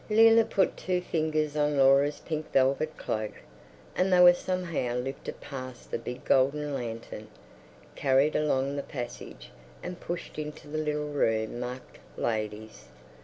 Leila put two fingers on Laura's pink velvet cloak, and they were somehow lifted past the big golden lantern, carried along the passage, and pushed into the little room marked "Ladies."